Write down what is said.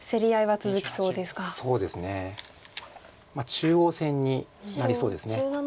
中央戦になりそうです。